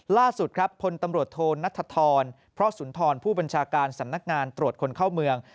ล่าสุดครับพลตำรวจโทนัทธรพระสุนทรผู้บัญชาการสำนักงานตรวจคนเข้าเมือง